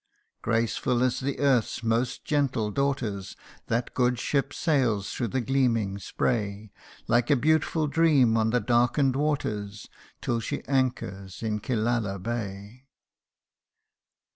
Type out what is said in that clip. Graceful as earth's most gentle daughters, That good ship sails through the gleaming spray Like a beautiful dream on the darken'd waters, Till she anchors in Killala bay.